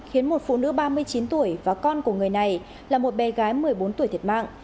khiến một phụ nữ ba mươi chín tuổi và con của người này là một bé gái một mươi bốn tuổi thiệt mạng